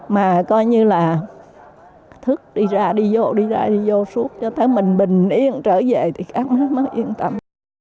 mà coi như là thức đi ra đi vô đi ra đi vô suốt cho tới mình bình yên trở về thì các má mới yên tâm